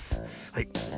はい。